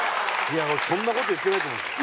俺そんなこと言ってないと思うんす。